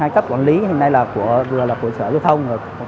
hai cấp quản lý hiện nay là vừa là của sở giao thông